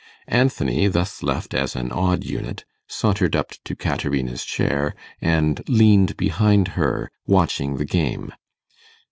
Anthony, thus left as an odd unit, sauntered up to Caterina's chair, and leaned behind her, watching the game.